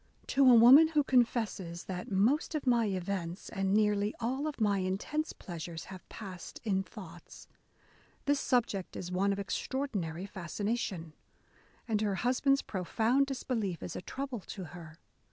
To a woman who confesses that *' most of my events, and nearly all my intense pleasures, have passed in thoughts," this subject is one of extraordinary fascination; and her husband's A DAY WITH E. B. BROWNING profound disbelief is a trouble to her.